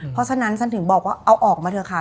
เพราะฉะนั้นฉันถึงบอกว่าเอาออกมาเถอะค่ะ